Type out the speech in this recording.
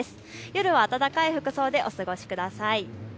夜は暖かい服装でお過ごしください。